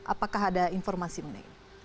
apakah ada informasi meneng